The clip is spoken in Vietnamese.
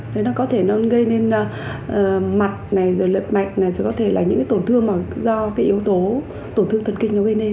đấy nó có thể nó gây nên mặt này rồi lật mạch này sẽ có thể là những cái tổn thương mà do cái yếu tố tổn thương thần kinh nó gây nên